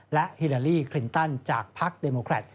และฮิลาลี่ครินตันจากพักริพักริกัน